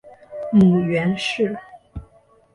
母袁氏。